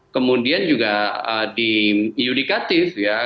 kemudian juga di iudikatif